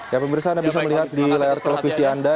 ya pemirsa anda bisa melihat di layar televisi anda